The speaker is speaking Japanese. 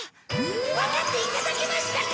わかっていただけましたか！？